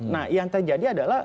nah yang terjadi adalah